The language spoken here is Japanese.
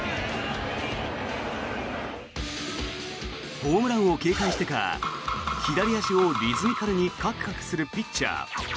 ホームランを警戒してか左足をリズミカルにカクカクするピッチャー。